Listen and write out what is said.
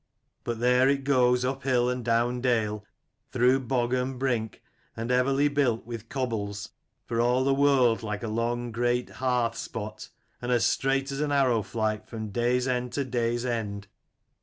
But there it goes up hill and down dale, through bog and brink ; and everly built with cobbles, for all the world like a great long hearth spot, and as straight as an arrow flight from day's end to day's end.